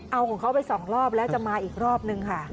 เอาของเขาไปสองรอบแล้วจะมาอีกรอบนึงค่ะ